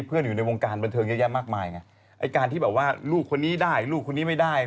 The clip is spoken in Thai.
เพราะการที่ลูกคนนี้ได้ลูกคนนี้ไม่ได้